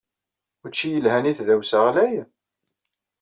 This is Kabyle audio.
Učči yelhan i tdawsa ɣlay?